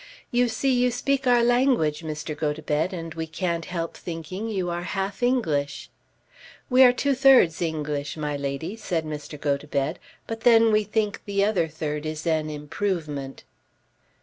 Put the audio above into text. "You see you speak our language, Mr. Gotobed, and we can't help thinking you are half English." "We are two thirds English, my lady," said Mr. Gotobed; "but then we think the other third is an improvement."